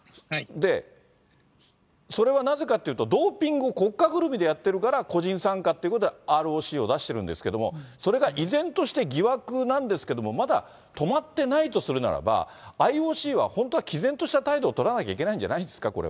で、それはなぜかっていうと、ドーピングを国家ぐるみでやってるから、個人参加ってことで、ＲＯＣを出してるんですけれども、それが依然として疑惑なんですけども、まだ止まってないとするならば、ＩＯＣは本当はきぜんとした態度を取らなきゃいけないんじゃないですか？